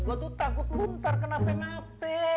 gue tuh takut luntar ke nape nape